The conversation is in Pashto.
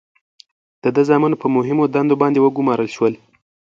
د ده زامن په مهمو دندو باندې وګمارل شول.